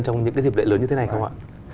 trong những cái dịp lễ lớn như thế này không ạ